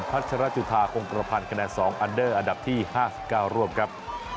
พัชรจุธาโครงกระพันธ์คะแนน๒อันดับที่๕๙ร่วมครับ